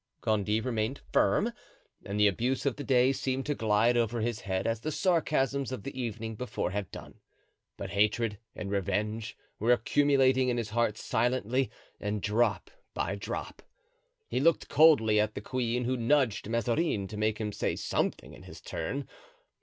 Gondy remained firm, and the abuse of the day seemed to glide over his head as the sarcasms of the evening before had done; but hatred and revenge were accumulating in his heart silently and drop by drop. He looked coldly at the queen, who nudged Mazarin to make him say something in his turn.